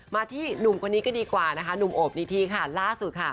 มาที่หนุ่มคนนี้ก็ดีกว่านุ่มอบนิธีล่าสุด